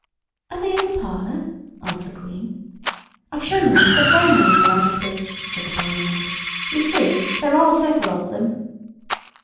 "Are they in the parlour?" asked the Queen. "I've shown them into the Throne Room, your Majesty," said the parlourmaid. "You see, there are several of them."